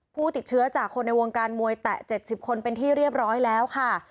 ผู้ติดเชื้อจากคนในวงการมวยแตะ๗๐คนเป็นที่เรียบร้อยแล้วค่ะ